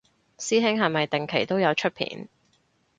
師兄係咪定期都有出片